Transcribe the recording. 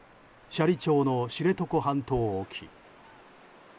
斜里町の知床半島沖。